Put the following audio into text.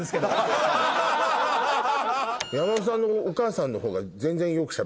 山本さんのお母さんのほうが全然。